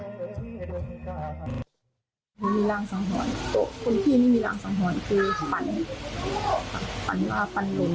คุณพี่ไม่มีรางสังหรณ์คือฟันต่างฟันลุนเนาะ